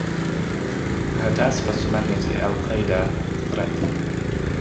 Her task was to manage the Al Qaeda threat.